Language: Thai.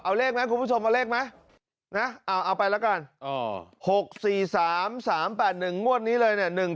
เอาเลขไหมคุณผู้ชมเอาเลขไหมนะเอาไปละกัน๖๔๓๓๘๑งวดนี้เลยเนี่ย